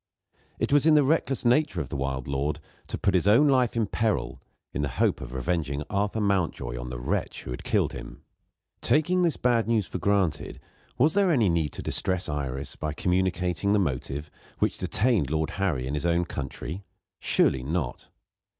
It was in the reckless nature of the wild lord to put his own life in peril, in the hope of revenging Arthur Mountjoy on the wretch who had killed him. Taking this bad news for granted, was there any need to distress Iris by communicating the motive which detained Lord Harry in his own country? Surely not!